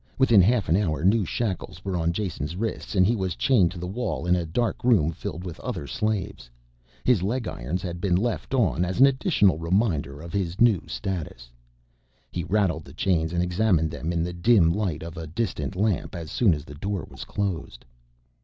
Within half an hour new shackles were on Jason's wrists and he was chained to the wall in a dark room filled with other slaves. His leg irons had been left on as an additional reminder of his new status. He rattled the chains and examined them in the dim light of a distant lamp as soon as the door was closed.